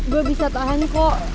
gue bisa tahan kok